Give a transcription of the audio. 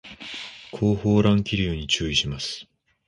後方乱気流に注意します